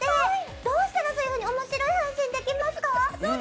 どうしたらそういうふうに面白い配信ができますか？